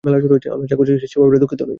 আমরা যা করছি সে ব্যাপারে দুঃখিত নই।